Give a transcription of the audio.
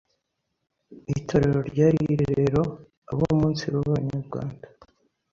Itorero ryari irerero abaumunsiru b’Abanyarwanda